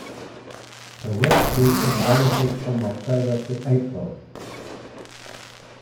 The wet season ranges from October to April.